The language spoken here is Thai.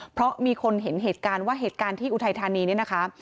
เพราะมีคนเห็นเหตุการณ์ว่าเหตุการณ์ที่อุทัยธานีเนี่ยนะคะ